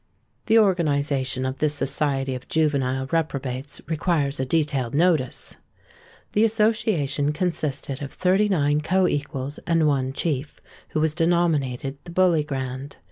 The organisation of this society of juvenile reprobates requires a detailed notice. The association consisted of thirty nine co equals and one chief who was denominated the Bully Grand.